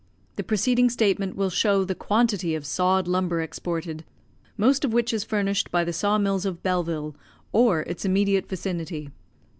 The preceding statement will show the quantity of sawed lumber exported, most of which is furnished by the saw mills of Belleville, or its immediate vicinity.